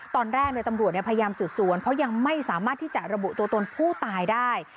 ตอนแรกตำรวจพยายามสืบสวนเพราะยังไม่สามารถที่จะระบุตัวตนผู้ตายได้